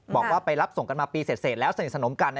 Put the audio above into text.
บอกว่าไปรับส่งกันมาปีเสร็จแล้วสนิทสนมกัน